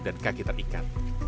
dan kaki terikat